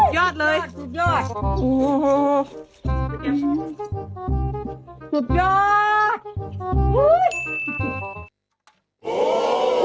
ว้าวขอมาเช็ค